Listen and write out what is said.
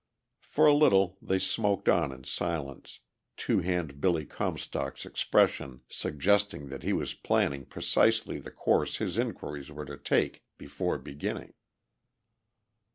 For a little they smoked on in silence, Two Hand Billy Comstock's expression suggesting that he was planning precisely the course his inquiries were to take before beginning.